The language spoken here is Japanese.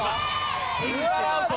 藤原アウト。